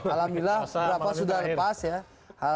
alhamdulillah berapa sudah lepas ya